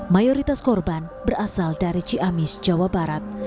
mayoritas korban berasal dari ciamis jawa barat